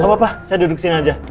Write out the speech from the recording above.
gak apa apa saya duduk sini aja